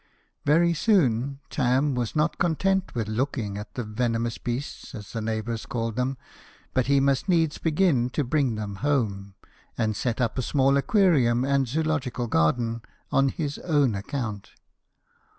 Very soon, Tarn was not content with looking at the " venomous beasts," as the neigh bours called them, but he must needs begin to bring them home, and set up a small aquarium and zoological garden on his own account.